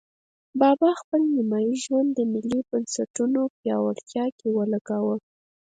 بابا خپل نیمایي ژوند د ملي بنسټونو پیاوړتیا کې ولګاوه.